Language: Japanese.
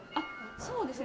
そうですね